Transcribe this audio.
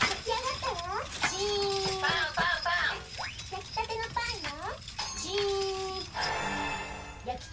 やきたてのパンよ。